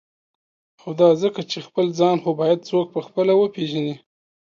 او دا ځکه چی » خپل ځان « خو باید څوک په خپله وپیژني.